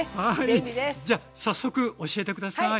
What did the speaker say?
じゃ早速教えて下さい。